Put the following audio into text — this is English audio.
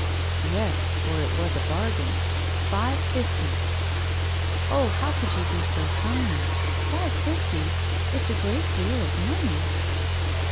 ' Yes, for it was a bargain. Five fifty.' ' Oh, how could you be so kind ! Five fifty ! It's a great deal of money.'